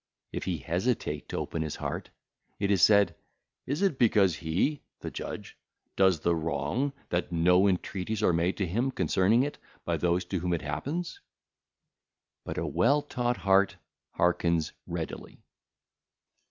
If he hesitate to open his heart, it is said, 'Is it because he (the judge) doeth the wrong that no entreaties are made to him concerning it by those to whom it happeneth?' But a well taught heart hearkeneth readily.